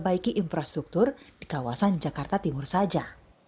dan memperbaiki infrastruktur di kawasan jakarta timur saja